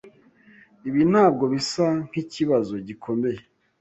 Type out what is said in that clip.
Ibi ntabwo bisa nkikibazo gikomeye.